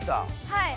はい。